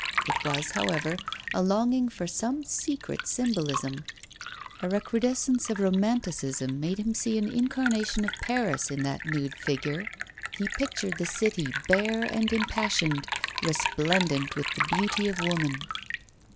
It was, however, a longing for some secret symbolism. A recrudescence of romanticism made him see an incarnation of Paris in that nude figure; he pictured the city bare and impassioned, resplendent with the beauty of woman.